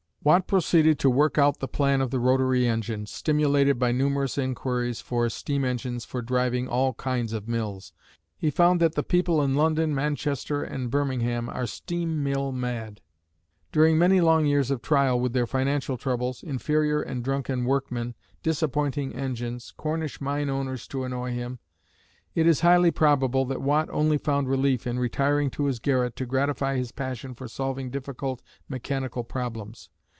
Watt proceeded to work out the plan of the rotary engine, stimulated by numerous inquiries for steam engines for driving all kinds of mills. He found that "the people in London, Manchester and Birmingham are steam mill mad." During many long years of trial with their financial troubles, inferior and drunken workmen, disappointing engines, Cornish mine owners to annoy him, it is highly probable that Watt only found relief in retiring to his garret to gratify his passion for solving difficult mechanical problems.